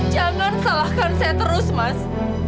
jangan salahkan saya terus mas